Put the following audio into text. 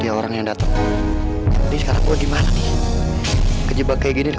hanyalah siapa saja amin